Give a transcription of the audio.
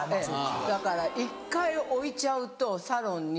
だから１回置いちゃうとサロンに。